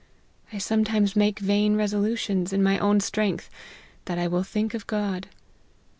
I sometimes make vain resolutions, in my own strength, that I will think of God.